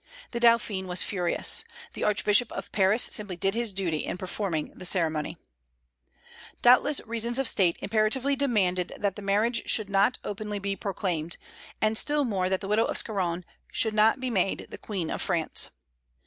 The Dauphin was furious. The Archbishop of Paris simply did his duty in performing the ceremony. Doubtless reasons of State imperatively demanded that the marriage should not openly be proclaimed, and still more that the widow of Scarron should not be made the Queen of France.